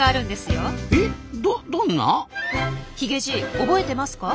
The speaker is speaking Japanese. ヒゲじい覚えてますか？